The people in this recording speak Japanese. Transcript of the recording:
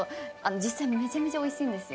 実際めちゃめちゃおいしいんですよ。